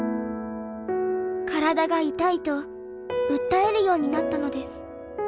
「体が痛い」と訴えるようになったのです。